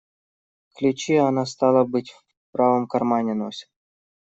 Ключи она, стало быть, в правом кармане носит.